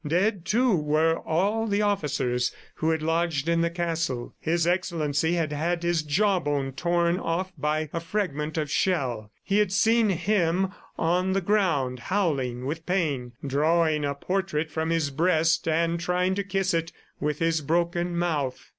Dead, too, were all the officers who had lodged in the castle. His Excellency had had his jaw bone torn off by a fragment of shell. He had seen him on the ground, howling with pain, drawing a portrait from his breast and trying to kiss it with his broken mouth.